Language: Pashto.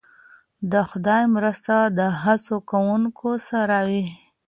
د خدای مرسته د هڅه کوونکو سره وي.